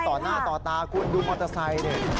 ต่อหน้าต่อตาคุณดูมอเตอร์ไซค์ดิ